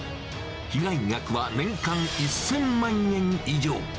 被害額は年間１０００万円以上。